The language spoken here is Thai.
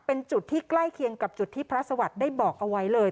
เป็นจุดที่ใกล้เคียงกับจุดที่พระสวัสดิ์ได้บอกเอาไว้เลย